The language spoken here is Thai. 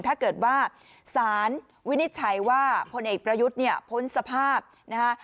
ถ้าเกิดว่าสารวินิจฉัยว่าพลเอกประยุทธ์เนี่ยพ้นสภาพนะคะ